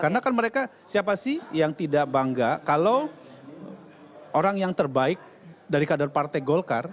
karena kan mereka siapa sih yang tidak bangga kalau orang yang terbaik dari kader partai golkar